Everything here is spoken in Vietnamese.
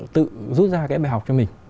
tự rút ra cái bài học cho mình